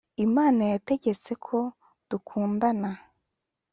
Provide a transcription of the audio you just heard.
imana yategetse ko dukundana.